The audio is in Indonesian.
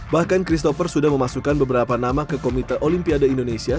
bahkan christopher sudah memasukkan beberapa nama ke komite olimpiade indonesia